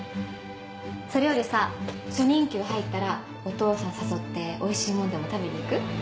それよりさ初任給入ったらお父さん誘っておいしいもんでも食べに行く？